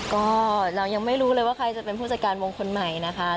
ก็เรายังไม่รู้เลยว่าใครจะเป็นผู้จัดการวงคนใหม่นะคะ